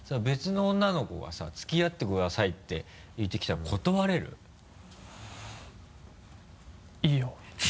別の女の子がさ「付き合ってください」って言ってきたら断れる？いいよ。